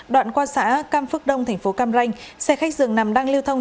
đoạn qua xã cam phước đông tp cam ranh xe khách dường nằm đang lưu thông